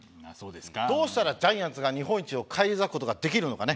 どうしたらジャイアンツが日本一を返り咲く事ができるのかね